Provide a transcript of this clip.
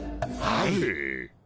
はい。